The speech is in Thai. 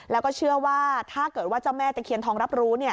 แล้วก็เชื่อว่าถ้าเกิดว่าเจ้าแม่ตะเคียนทองรับรู้